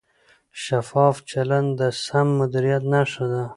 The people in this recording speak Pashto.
شفاف چلند د سم مدیریت نښه ده.